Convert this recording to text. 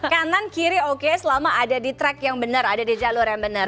kanan kiri oke selama ada di track yang benar ada di jalur yang benar